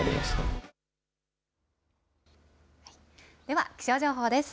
では、気象情報です。